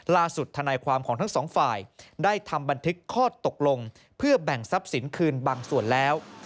ทนายความของทั้งสองฝ่ายได้ทำบันทึกข้อตกลงเพื่อแบ่งทรัพย์สินคืนบางส่วนแล้ว